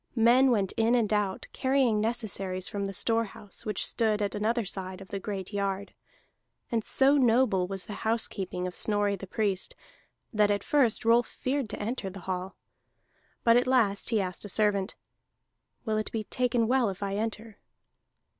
Men went in and out, carrying necessaries from the storehouse which stood at another side of the great yard. And so noble was the housekeeping of Snorri the Priest, that at first Rolf feared to enter the hall. But at last he asked a servant: "Will it be taken well if I enter?"